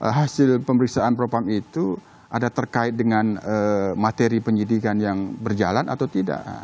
hasil pemeriksaan propam itu ada terkait dengan materi penyidikan yang berjalan atau tidak